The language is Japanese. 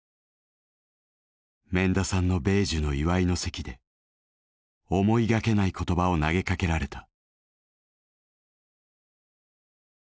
免田さんの米寿の祝いの席で思いがけない言葉を投げかけられた。